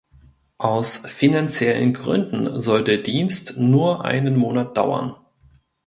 Aus finanziellen Gründen soll der Dienst nur einen Monat dauern.